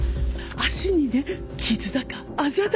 脚にね傷だかあざだか。